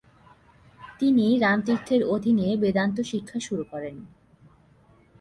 তিনি রামতীর্থের অধীনে বেদান্ত শিক্ষা শুরু করেন।